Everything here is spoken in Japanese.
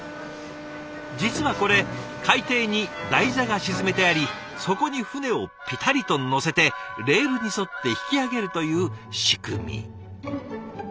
実はこれ海底に台座が沈めてありそこに船をピタリと載せてレールに沿って引き揚げるという仕組み。